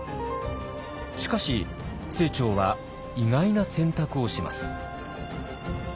しかし清張は意外な選択をします。